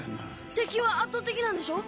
敵は圧倒的なんでしょ？